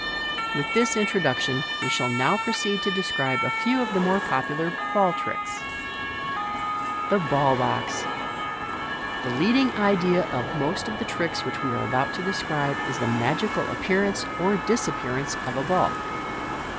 With this introduction, we shall now proceed to describe a few of the most popular " ball tricks." The Ball Box. — The leading idea of most of the tricks which we are about to describe is the magical appearance or disappearance of a ball.